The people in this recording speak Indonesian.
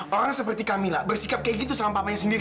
orang seperti camilla bersikap kayak gitu sama papanya sendiri